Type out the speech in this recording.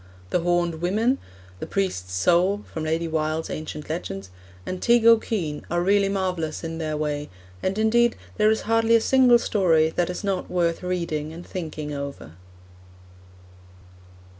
The Horned Women, The Priest's Soul, and Teig O'Kane, are really marvellous in their way; and, indeed, there is hardly a single story that is not worth reading and thinking over.